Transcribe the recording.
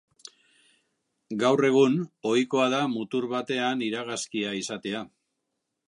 Gaur egun, ohikoa da mutur batean iragazki izatea.